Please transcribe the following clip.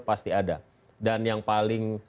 pasti ada dan yang paling